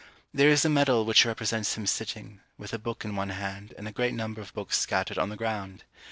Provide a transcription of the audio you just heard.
There is a medal which represents him sitting, with a book in one hand, and a great number of books scattered on the ground.